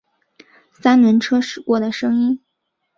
三轮车驶过的声音